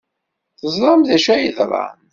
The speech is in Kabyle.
Teẓram d acu ay yeḍran.